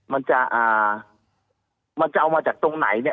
มันจะเอามาจากตรงไหนเนี่ย